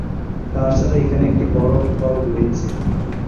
তাছাড়া এখানে একটি বরফ কল রয়েছে।